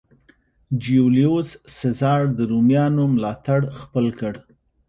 جیولیوس سزار د رومیانو ملاتړ خپل کړ.